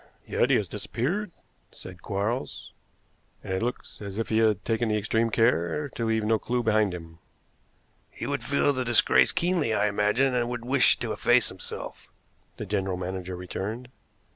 "Yet he has disappeared," said Quarles, "and it looks as if he had taken extreme care to leave no clew behind him." "He would feel the disgrace keenly, I imagine, and would wish to efface himself," the general manager returned.